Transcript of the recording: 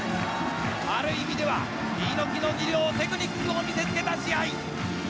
ある意味では猪木の技量テクニックを見せつけた試合。